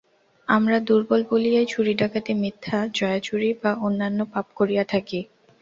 আমরা দুর্বল বলিয়াই চুরি ডাকাতি মিথ্যা জুয়াচুরি বা অন্যান্য পাপ করিয়া থাকি।